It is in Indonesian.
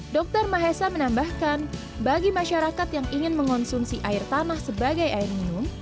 dr mahesa menambahkan bagi masyarakat yang ingin mengonsumsi air tanah sebagai air minum